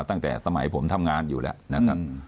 ตั้งแต่สมัยผมทำงานอยู่แล้วนะครับ